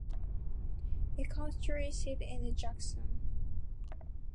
Its county seat is Jackson.